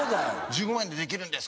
「１５万円でできるんですか？」。